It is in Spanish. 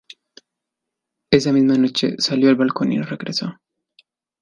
Esa misma noche, salió al balcón y no regresó.